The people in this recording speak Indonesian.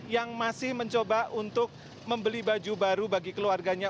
yang masih mencoba untuk membeli baju baru bagi keluarganya